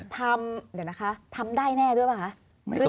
ทำนี่ยนะคะทำได้แน่ด้วยไหมคะ